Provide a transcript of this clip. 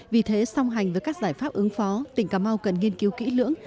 vì thế song hành với các giải pháp ứng phó tỉnh cà mau cần nghiên cứu kỹ lưỡng